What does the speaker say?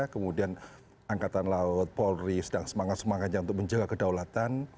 kemudian angkatan laut polri sedang semangat semangatnya untuk menjaga kedaulatan